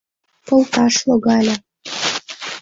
Колташ логале.